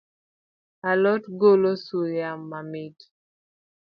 A lot golo suya mamit